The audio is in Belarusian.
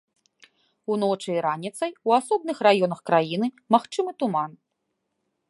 Уночы і раніцай у асобных раёнах краіны магчымы туман.